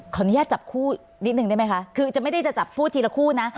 ขออนุญาตจับคู่นิดนึงได้ไหมคะคือจะไม่ได้จะจับคู่ทีละคู่นะ